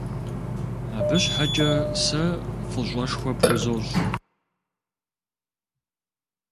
Абы щхьэкӏэ сэ фӏыщӏэшхуэ пхузощ.